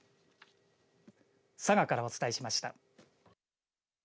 佐賀からお伝えしました。